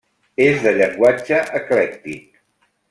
És de llenguatge eclèctic.